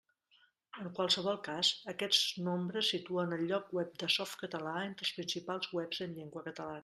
En qualsevol cas, aquests nombres situen el lloc web de Softcatalà entre els principals webs en llengua catalana.